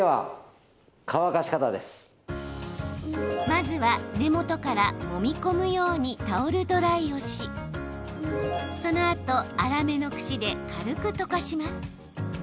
まずは、根元からもみ込むようにタオルドライをしそのあと、粗めのクシで軽くとかします。